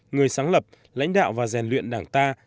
người sáng lập lãnh đạo và rèn luyện đảng ta